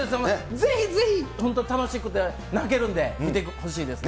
ぜひぜひ、本当、楽しくて、泣けるんで、見てほしいですね。